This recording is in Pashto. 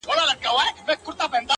نه دېوال نه كنډواله نه قلندر وو؛